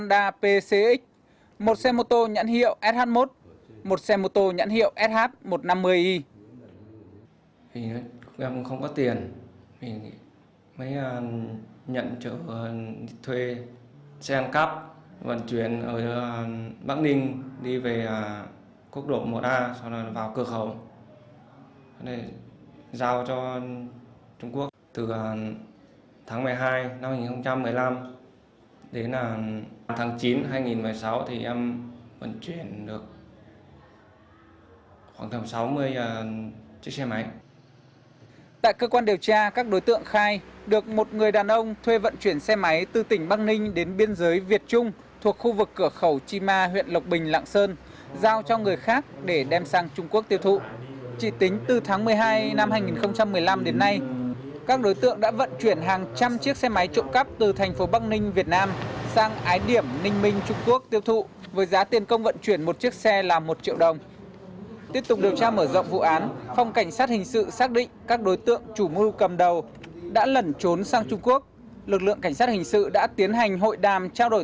tăng vật thu giữ tại chỗ gồm một xe mô tô nhãn hiệu honda e blade một xe mô tô nhãn hiệu honda pcx một xe mô tô nhãn hiệu sh một một xe mô tô nhãn hiệu sh một trăm năm mươi i